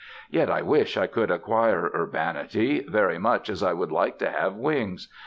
Yet I wish I could acquire urbanity, very much as I would like to have wings.